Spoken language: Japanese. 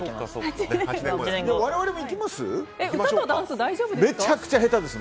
我々もいきます？